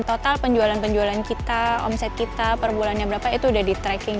total penjualan penjualan kita omset kita perbulannya berapa itu udah di tracking